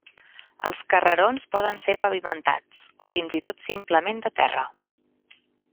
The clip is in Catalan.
Els carrerons poden ser pavimentats, o fins i tot simplement de terra.